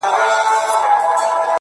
داسي په ماښام سترگي راواړوه.